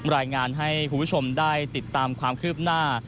รายงานให้คุณผู้ชมได้ติดตามความคืบหน้า